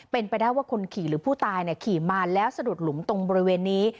เป็นไปได้ว่าคนขี่หรือผู้ตายขี่มาแล้วสะดุดหลุมตรงบริเวณนี้